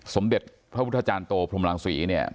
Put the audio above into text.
สมเด็จพระพุทธจารย์โตพรมรังศรีเนี่ย